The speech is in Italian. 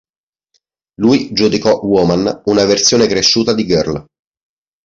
Lui giudicò "Woman" una versione cresciuta di "Girl".